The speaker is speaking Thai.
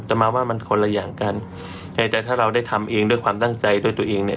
แต่มาว่ามันคนละอย่างกันแต่ถ้าเราได้ทำเองด้วยความตั้งใจด้วยตัวเองเนี่ย